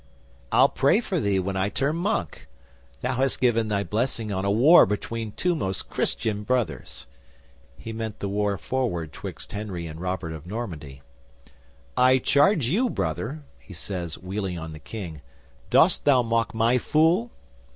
"I'll pray for thee when I turn monk. Thou hast given thy blessing on a war between two most Christian brothers." He meant the war forward 'twixt Henry and Robert of Normandy. "I charge you, Brother," he says, wheeling on the King, "dost thou mock my fool?"